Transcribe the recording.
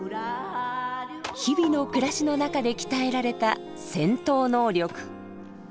日々の暮らしの中で鍛えられた戦闘能力。